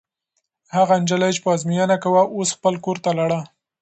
هغه نجلۍ چې په ازموینه کې وه، اوس خپل کور ته لاړه.